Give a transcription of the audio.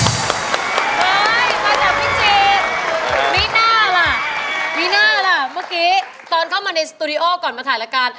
เฮ้ยมาจากพิจิตรมีน่าล่ะมีน่าล่ะเมื่อกี้ตอนเข้ามาในสตูดิโอก่อนมาถ่ายรายการ